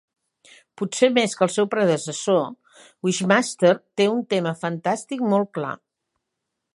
Potser més que el seu predecessor, "Wishmaster" té un tema fantàstic molt clar.